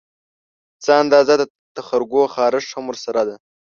څه اندازه د تخرګو خارښت هم ورسره ده